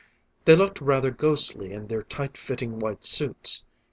They looked rather ghostly in their tight fitting white suits.